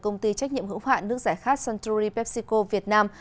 công ty trách nhiệm hữu hạn nước giải khát santuri pepsico việt nam